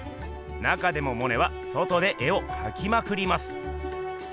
なかでもモネは外で絵をかきまくります。